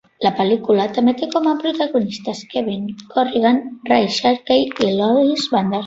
La pel·lícula també té com a protagonistes Kevin Corrigan, Ray Sharkey i Lois Bendler.